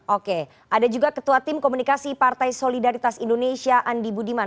oke ada juga ketua tim komunikasi partai solidaritas indonesia andi budiman